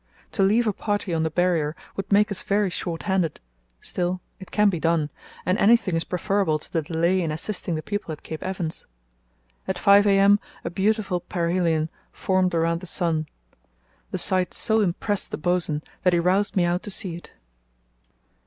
To leave a party on the Barrier would make us very short handed; still, it can be done, and anything is preferable to the delay in assisting the people at Cape Evans. At 5 a.m. a beautiful parhelion formed around the sun. The sight so impressed the bos'n that he roused me out to see it."